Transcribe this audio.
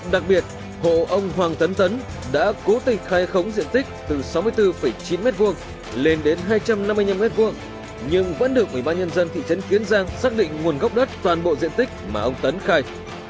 đặc biệt hộ ông hoàng tấn tấn đã cố tình khai khống diện tích từ sáu mươi bốn chín m hai lên đến hai trăm năm mươi năm m hai nhưng vẫn được ủy ban nhân dân thị trấn kiến giang xác định nguồn gốc đất toàn bộ diện tích mà ông tấn khai